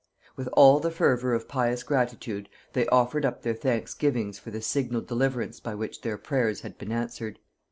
With all the fervor of pious gratitude they offered up their thanksgivings for the signal deliverance by which their prayers had been answered.